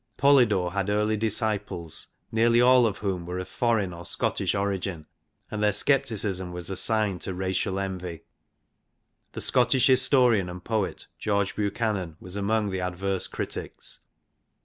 Polydore had early disciples, nearly all of whom were of foreign or Scottish origin, and their scepticism was assigned to racial envy. The Scottish historian and poet George Buchanan was among the adverse critics.